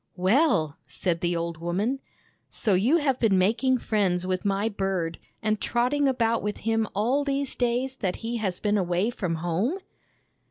" Well," said the old woman, " so you have been making friends with my bird, and trotting about with him all these days that he has been away from home